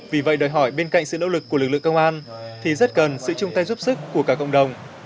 vì vậy đòi hỏi bên cạnh sự nỗ lực của lực lượng công an thì rất cần sự chung tay giúp sức của cả cộng đồng